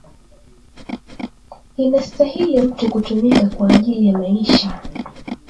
Inastahili mutu kutumika kwa ajili ya maisha